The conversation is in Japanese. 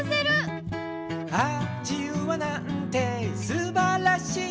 「ああじゆうはなんてすばらしい」